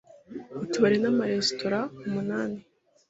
Utubari n’amaresitora umunani